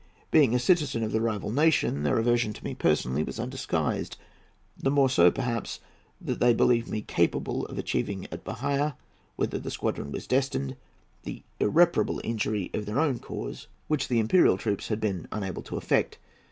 Being a citizen of the rival nation, their aversion to me personally was undisguised—the more so, perhaps, that they believed me capable of achieving at Bahia, whither the squadron was destined, that irreparable injury to their own cause which the imperial troops had been unable to effect.